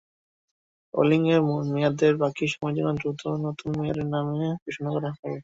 ওয়ালিংয়ের মেয়াদের বাকি সময়ের জন্য দ্রুত নতুন মেয়রের নাম ঘোষণা করা হবে।